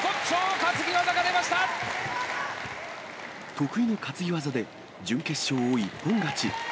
得意の担ぎ技で、準決勝を一本勝ち。